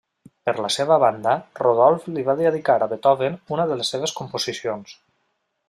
Per la seva banda Rodolf li va dedicar a Beethoven una de les seves composicions.